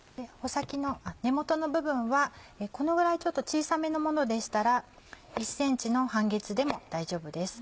根元の部分はこのぐらいちょっと小さめのものでしたら１ｃｍの半月でも大丈夫です。